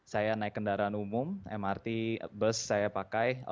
saya naik kendaraan umum mrt bus saya pakai